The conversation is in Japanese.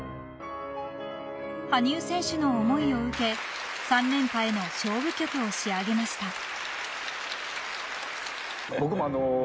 ［羽生選手の思いを受け３連覇への勝負曲を仕上げました］